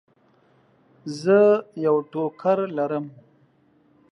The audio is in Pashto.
زه یو ټوکر لرم.